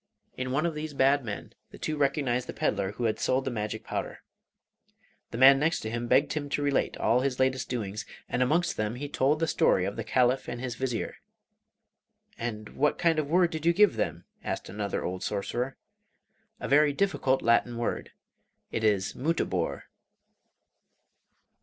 In one of these bad men the two recognised the pedlar who had sold the magic powder. The man next him begged him to relate all his latest doings, and amongst them he told the story of the Caliph and his Vizier. 'And what kind of word did you give them?' asked another old sorcerer. 'A very difficult Latin word; it is "Mutabor."